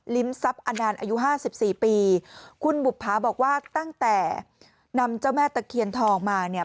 ทรัพย์อนานอายุห้าสิบสี่ปีคุณบุภาบอกว่าตั้งแต่นำเจ้าแม่ตะเคียนทองมาเนี่ย